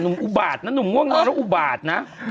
อุบาทนะหนุ่มง่วงอยแล้วอุบาทนะ